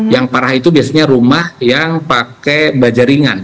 yang parah itu biasanya rumah yang pakai baja ringan